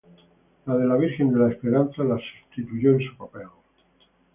La de la Virgen de la Esperanza la sustituyó en su papel.